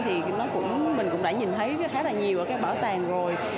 thì mình cũng đã nhìn thấy khá là nhiều ở các bảo tàng rồi